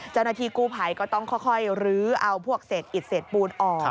เจ้าหน้าที่กู้ภัยก็ต้องค่อยรื้อเอาพวกเศษอิดเศษปูนออก